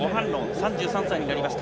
３３歳になりました。